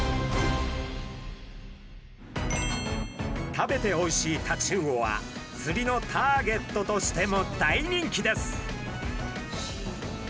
食べておいしいタチウオはつりのターゲットとしても大人気です。